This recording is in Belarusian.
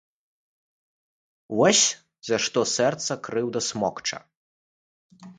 Вось за што сэрца крыўда смокча.